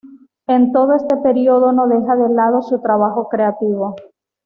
En todo este periodo no deja de lado su trabajo creativo.